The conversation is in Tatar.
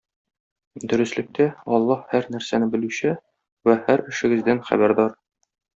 Дөреслектә, Аллаһ һәр нәрсәне белүче вә һәр эшегездән хәбәрдар.